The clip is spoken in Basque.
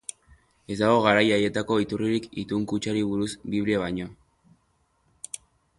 Ez dago garai haietako iturririk itun-kutxari buruz Biblia baino.